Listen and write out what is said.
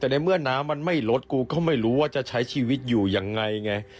แต่ในเมื่อน้ำมันไม่ลดกูก็ไม่รู้ว่าจะใช้ชีวิตอยู่ยังไงไง